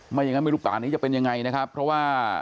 อย่างนั้นไม่รู้ป่านี้จะเป็นยังไงนะครับเพราะว่า